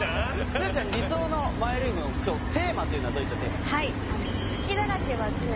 すずちゃん理想のマイルームの今日テーマというのはどういったテーマでしょう？